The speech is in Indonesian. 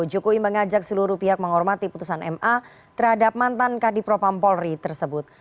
jokowi mengajak seluruh pihak menghormati putusan ma terhadap mantan kadipropam polri tersebut